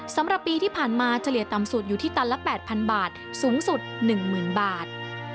สำหรับปีที่ผ่านมาเฉลี่ยต่ำสุดอยู่ที่ตันละ๘๐๐๐บาทสูงสุด๑๐๐๐บาท